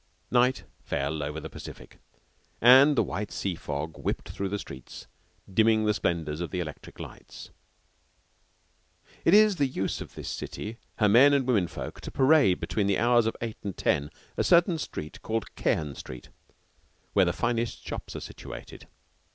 Night fell over the Pacific, and the white sea fog whipped through the streets, dimming the splendors of the electric lights. It is the use of this city, her men and women folk, to parade between the hours of eight and ten a certain street called Cairn Street, where the finest shops are situated.